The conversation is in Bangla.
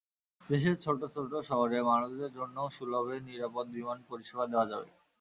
দেশের ছোট ছোট শহরের মানুষদের জন্যও সুলভে নিরাপদ বিমান পরিষেবা দেওয়া যাবে।